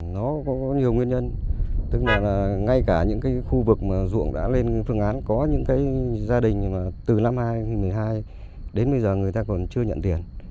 nó có nhiều nguyên nhân tức là ngay cả những cái khu vực mà ruộng đã lên phương án có những cái gia đình mà từ năm hai nghìn một mươi hai đến bây giờ người ta còn chưa nhận tiền